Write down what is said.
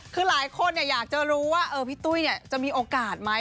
คือหลายคนอยากจะรู้ว่าพี่ตุ้ยจะมีโอกาสไหม